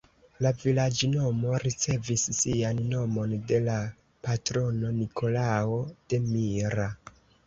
La vilaĝnomo ricevis sian nomon de la patrono Nikolao de Mira.